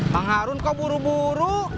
bang harun kok buru buru